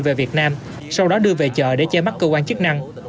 về việt nam sau đó đưa về chợ để che mắt cơ quan chức năng